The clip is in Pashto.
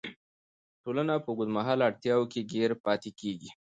ټولنه په اوږدمهاله اړتیاوو کې ګیر پاتې کیږي.